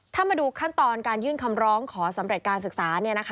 ถ้ามาดูขั้นตอนการยื่นคำร้องขอสำเร็จการศึกษา